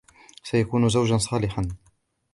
سيكون زوجا صالحا.